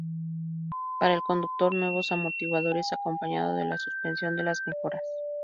Para el conductor, nuevos amortiguadores acompañado de la suspensión de las mejoras.